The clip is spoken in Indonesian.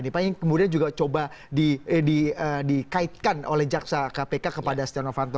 yang paling kemudian juga coba dikaitkan oleh jaksa kpk kepada steno vanto